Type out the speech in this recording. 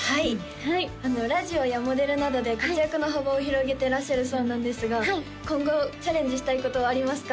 はいラジオやモデルなどで活躍の幅を広げてらっしゃるそうなんですが今後チャレンジしたいことはありますか？